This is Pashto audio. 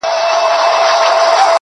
فلسفې نغښتي دي.